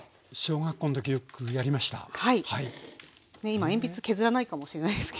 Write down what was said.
今鉛筆削らないかもしれないですけども。